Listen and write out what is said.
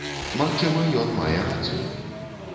Магчыма, ён мае рацыю.